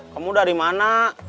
kamu dari mana